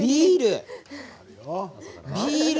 ビール！